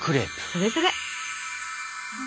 それそれ。